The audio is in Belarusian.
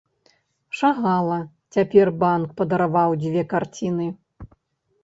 Шагала, цяпер банк падараваў дзве карціны.